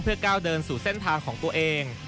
ก้าวเดินสู่เส้นทางของตัวเอง